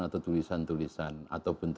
atau tulisan tulisan ataupun